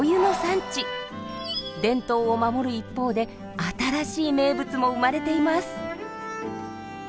伝統を守る一方で新しい名物も生まれています。